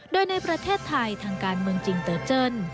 โดยในประเทศไทยทางการเมืองจิงเตอร์เจิ้น